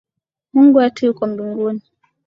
Mungu wetu yuko mbinguni